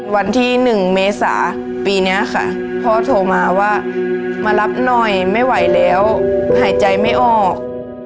วันที่๑เมษาปีนี้ค่ะพ่อโทรมาว่ามารับหน่อยไม่ไหวแล้วหายใจไม่ออก